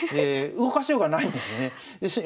動かしようがないんですね。